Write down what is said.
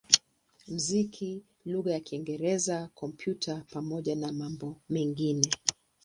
muziki lugha ya Kiingereza, Kompyuta pamoja na mambo mengine.